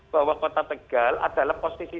bahwa kota tegal adalah posisi